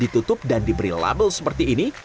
ditutup dan diberi label seperti ini